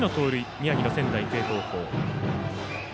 宮城の仙台育英高校。